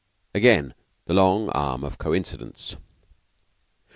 Again the long arm of coincidence!